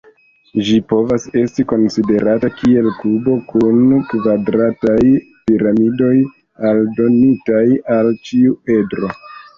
Ĝi povas esti konsiderata kiel kubo kun kvadrataj piramidoj aldonitaj al ĉiu edro.